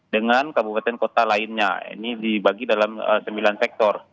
dengan kabupaten kota lainnya ini dibagi dalam sembilan sektor